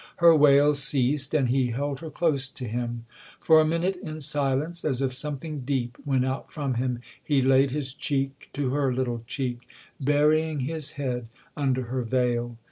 Her wail ceased and he held her close to him ; for a minute, in silence, as if something deep went out from him, he laid his cheek to her little cheek, burying his head under her veil.